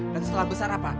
dan setelah besar apa